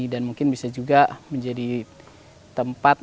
dan mungkin bisa juga menjadi tempat